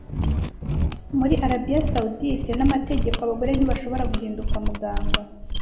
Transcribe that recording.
Muri Arabiya Sawudite n’amategeko abagore ntibashobora guhinduka Muganga